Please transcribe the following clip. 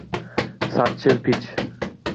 Satchel Pij